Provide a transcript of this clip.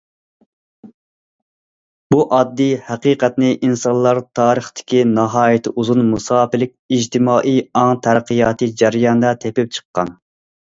بۇ ئاددىي ھەقىقەتنى ئىنسانلار تارىختىكى ناھايىتى ئۇزۇن مۇساپىلىك ئىجتىمائىي ئاڭ تەرەققىياتى جەريانىدا تېپىپ چىققان.